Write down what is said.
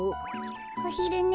おひるね。